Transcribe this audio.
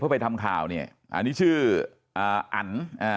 เพื่อไปทำข่าวเนี่ยอันนี้ชื่ออัน